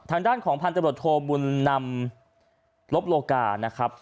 ทางด้านของพันธบทโทบุญนำลบโลกานะครับ